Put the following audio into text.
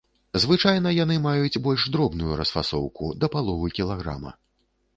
Звычайна яны маюць больш дробную расфасоўку, да паловы кілаграма.